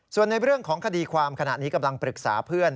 ส่วนในเรื่องของคดีความขณะนี้กำลังปรึกษาเพื่อน